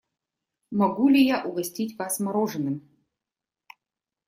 Могу ли я угостить вас мороженым?